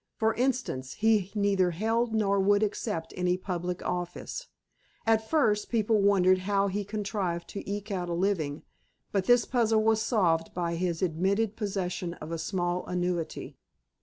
For instance, he neither held nor would accept any public office. At first, people wondered how he contrived to eke out a living, but this puzzle was solved by his admitted possession of a small annuity.